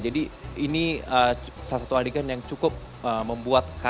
jadi ini salah satu adegan yang cukup membuatkan